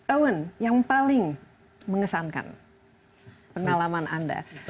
owen yang paling mengesankan pengalaman anda